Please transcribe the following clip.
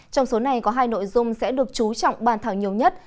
trong số này có hai nội dung sẽ được chú trọng bàn thảo nhiều nhất